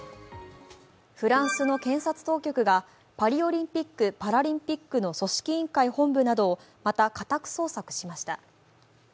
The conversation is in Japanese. フランスの検察当局がパリオリンピック・パラリンピックの組織委員会本部などをまた家宅捜索しました。